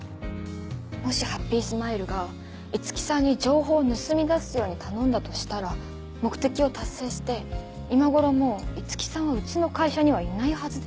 もしハッピースマイルが五木さんに情報を盗み出すように頼んだとしたら目的を達成して今頃もう五木さんはうちの会社にはいないはずです。